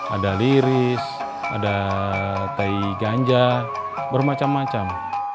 ada liris ada tai ganja bermacam macam